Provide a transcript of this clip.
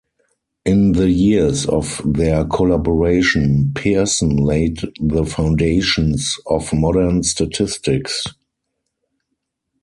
In the years of their collaboration Pearson laid the foundations of modern statistics.